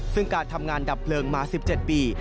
ซึ่งการทำงานดับเพลิงมา๑๗ปี